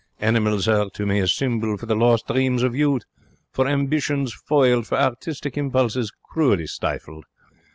Animals are to me a symbol for the lost dreams of youth, for ambitions foiled, for artistic impulses cruelly stifled.